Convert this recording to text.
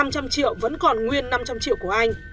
năm trăm linh triệu vẫn còn nguyên năm trăm linh triệu của anh